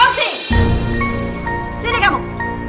untuk apa byung